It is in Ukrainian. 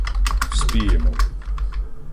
— Вспіємо.